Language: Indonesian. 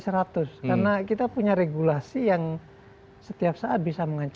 karena kita punya regulasi yang setiap saat bisa mengancam